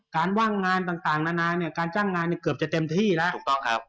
ว่างงานต่างนานาเนี่ยการจ้างงานเนี่ยเกือบจะเต็มที่แล้วถูกต้องครับ